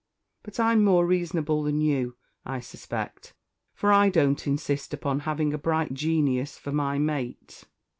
But I'm more reasonable than you, I suspect, for I don't insist upon having a bright genius for my mate."